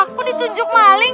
kok aku ditunjuk malin